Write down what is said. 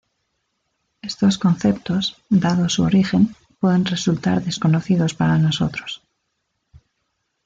Estos conceptos, dado su origen, pueden resultar desconocidos para nosotros.